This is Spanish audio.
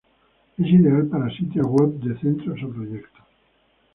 Es ideal para sitios web de centros o proyectos.